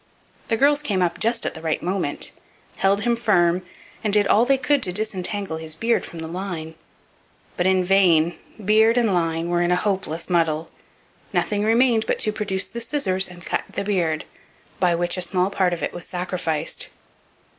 The girls came up just at the right moment, held him firm, and did all they could to disentangle his beard from the line; but in vain, beard and line were in a hopeless muddle. Nothing remained but to produce the scissors and cut the beard, by which a small part of it was sacrificed.